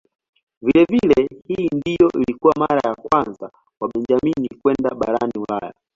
Vilevile hii ndiyo ilikuwa mara ya kwanza kwa Benjamin kwenda barani Ulaya.